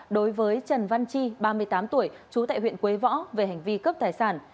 đối với trần văn chi ba mươi tám tuổi trú tại huyện quế võ về hành vi cướp tài sản